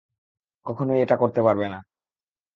কখনোই এটা করতে পারবে না।